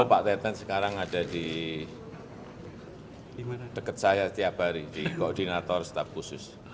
pak teten sekarang ada di dekat saya setiap hari di koordinator staf khusus